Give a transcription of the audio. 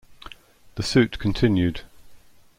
The suit continued.